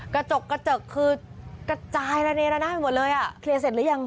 กระจกกระจกคือกระจายระเนระนาดไปหมดเลยอ่ะเคลียร์เสร็จหรือยัง